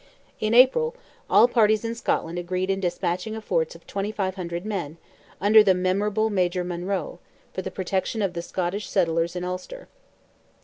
In April, all parties in Scotland agreed in despatching a force of 2,500 men, under "the memorable Major Monroe," for the protection of the Scottish settlers in Ulster.